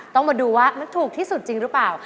ต้องมาดูว่ามันถูกที่สุดจริงหรือเปล่า